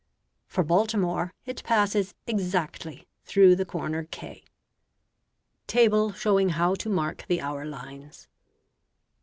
For Baltimore it passes exactly through the corner K. TABLE SHOWING HOW TO MARK THE HOUR LINES.